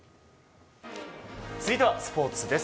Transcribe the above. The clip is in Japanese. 続いてはスポーツです。